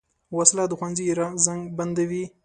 وسله د ښوونځي زنګ بندوي